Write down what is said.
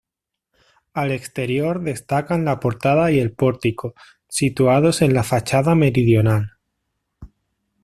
Al exterior destacan la portada y el pórtico, situados en la fachada meridional.